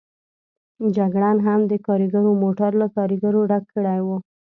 جګړن هم د کاریګرو موټر له کاریګرو ډک کړی و.